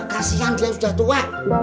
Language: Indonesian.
kasihkan dia sudah tua